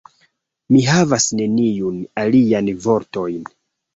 Mi havas neniujn aliajn vortojn.